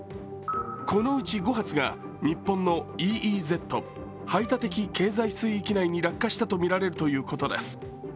このうち５発が日本のＥＥＺ＝排他的経済水域内に落下したとみられるということです。